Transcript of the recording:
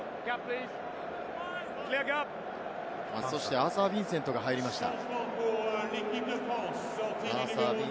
アーサー・ヴィンセントが入りました。